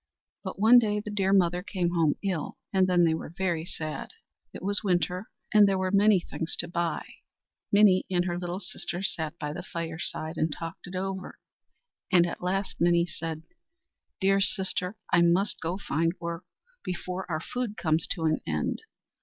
But one day the dear mother came home ill; and then they were very sad. It was winter, and there were many things to buy. Minnie and her little sister sat by the fireside and talked it over, and at last Minnie said: "Dear sister, I must go out to find work, before the food comes to an end."